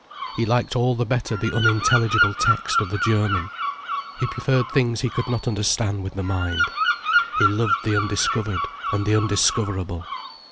He liked all the better the unintelligible text of the German. He preferred things he could not understand with the mind. He loved the undiscovered and the undiscoverable.